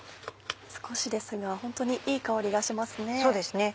少しですがホントにいい香りがしますね。